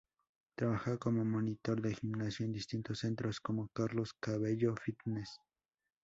Trabajaba como monitor de gimnasio en distintos centros como "Carlos Cabello Fitness".